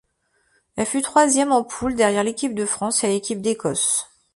Elle fut troisième en poule derrière l'équipe de France et l'équipe d'Écosse.